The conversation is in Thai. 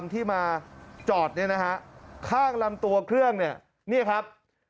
ที่มาจอดเนี่ยนะฮะข้างลำตัวเครื่องเนี่ยนี่ครับ